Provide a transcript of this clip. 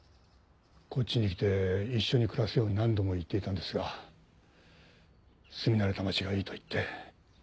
こっちに来て一緒に暮らすように何度も言っていたんですが住み慣れた町がいいと言って。